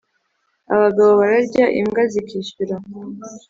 Abagabo bararya imbwa zikishyura.